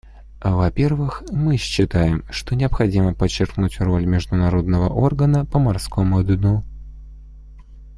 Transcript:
Во-первых, мы считаем, что необходимо подчеркнуть роль Международного органа по морскому дну.